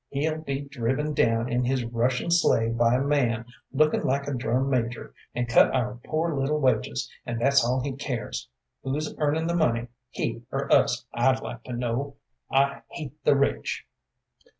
"He'll be driven down in his Russian sleigh by a man looking like a drum major, and cut our poor little wages, and that's all he cares. Who's earning the money, he or us, I'd like to know? I hate the rich!"